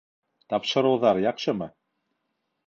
Тапшырыуҙар яҡшымы?